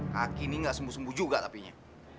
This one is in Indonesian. kaki ini nggak sembuh sembuh juga tapinya